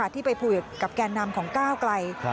ที่ไปพูดกับแก่นนำของก้าวกลัย